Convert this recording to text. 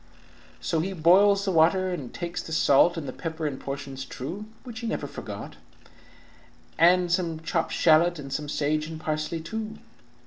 "So he boils the water, and takes the salt And the pepper in portions true (Which he never forgot) and some chopped shalot, And some sage and parsley too.